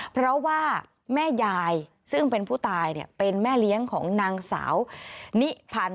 เพราะว่าแม่ยายซึ่งเป็นผู้ตายเป็นแม่เลี้ยงของนางสาวนิพันธ์